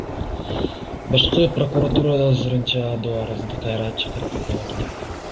Башкы прокуратура азырынча доо арызды кайра чакыртып ала элек.